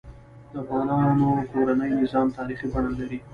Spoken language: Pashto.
د افغانانو کورنۍ نظام تاریخي بڼه لري.